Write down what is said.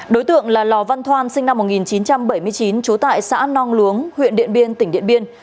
đối tượng là lò văn thoan sinh năm một nghìn chín trăm bảy mươi chín trú tại xã nong luống huyện điện biên tỉnh điện biên